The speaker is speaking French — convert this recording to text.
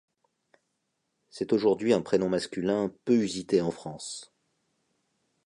C'est aujourd'hui un prénom masculin peu usité en France.